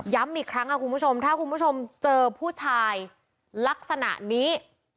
อีกครั้งค่ะคุณผู้ชมถ้าคุณผู้ชมเจอผู้ชายลักษณะนี้